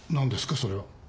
それは。